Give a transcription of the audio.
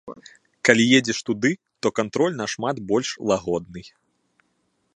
Калі едзеш туды, то кантроль нашмат больш лагодны.